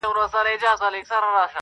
عاقبت یې په کوهي کي سر خوړلی،